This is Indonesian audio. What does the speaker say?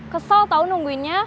kesel tau nungguinnya